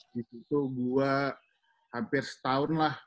di situ gue hampir setahun lah